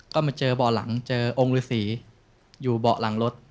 ก็มาเจอเบาะหลังเจอองค์ฤษีอยู่เบาะหลังรถ